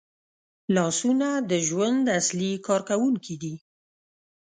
لاسونه د ژوند اصلي کارکوونکي دي